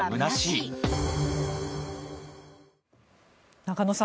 中野さん